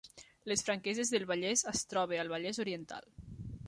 Les Franqueses del Vallès es troba al Vallès Oriental